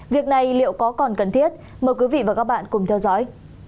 việc này liệu có còn cần thiết mời quý vị và các bạn cùng theo dõi